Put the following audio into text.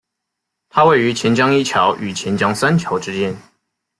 它位于钱江一桥与钱江三桥之间。